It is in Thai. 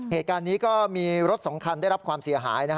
เหตุการณ์นี้ก็มีรถ๒คันได้รับความเสียหาย